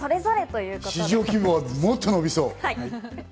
市場規模はもっと伸びそう。